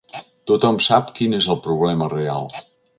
Tothom sap quin és el problema real.